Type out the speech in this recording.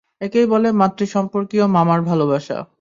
এটাকেই বলে মাতৃ সম্পর্কীয় মামার ভালোবাসা।